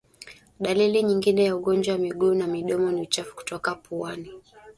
Dalili nyingine ya ugonjwa wa miguu na midomo ni uchafu kutoka puani